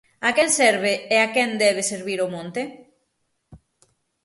¿A quen serve e a quen debe servir o monte?